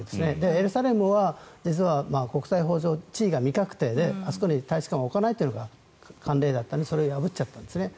エルサレムは実は国際法上、地位が未確定であそこに大使館を置かないというのが慣例だったのにそれを破っちゃったんですね。